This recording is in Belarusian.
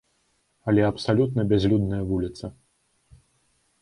Але абсалютна бязлюдная вуліца.